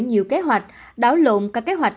nhiều kế hoạch đảo lộn các kế hoạch